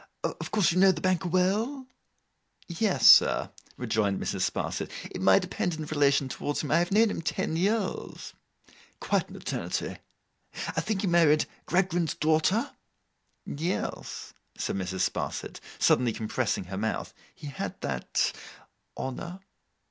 'Of course you know the Banker well?' 'Yes, sir,' rejoined Mrs. Sparsit. 'In my dependent relation towards him, I have known him ten years.' 'Quite an eternity! I think he married Gradgrind's daughter?' 'Yes,' said Mrs. Sparsit, suddenly compressing her mouth, 'he had that—honour.